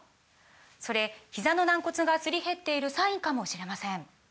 それひざの軟骨がすり減っているサインかもしれません